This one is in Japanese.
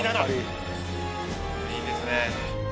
いいですね。